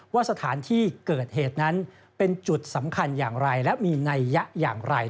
ว่าสถานที่เกิดเหตุนั้นเป็นจุดสำคัญอย่างไรและมีนัยยะอย่างไร